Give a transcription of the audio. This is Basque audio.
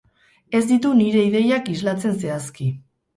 Ez ditu nire ideiak islatzen zehazki.